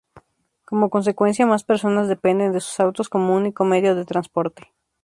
Como consecuencia, más personas dependen de sus autos como único medio de transporte.